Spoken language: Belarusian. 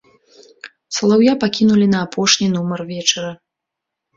Салаўя пакінулі на апошні нумар вечара.